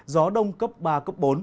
gió đông cấp ba cấp bốn